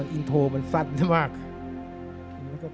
อินโทรมันสั้นมาก